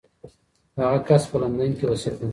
هغه کس په لندن کې اوسېده.